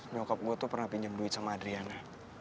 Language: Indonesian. biokap gue tuh pernah pinjam duit sama adriana